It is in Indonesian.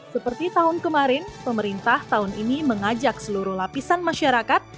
seperti tahun kemarin pemerintah tahun ini mengajak seluruh lapisan masyarakat